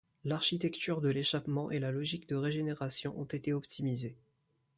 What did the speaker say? L'architecture de l'échappement et la logique de régénération ont été optimisés.